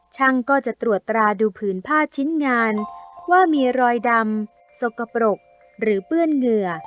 ช่างก็จะตรวจตราดูผืนผ้าชิ้นงานว่ามีรอยดำสกปรกหรือเปื้อนเหงื่อ